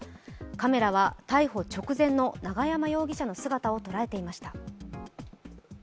カメラは、逮捕直前の永山容疑者の姿を捉えていました。